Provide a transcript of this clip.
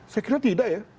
saya kira tidak ya